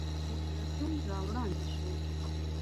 محمدرسول را وړاندې شو.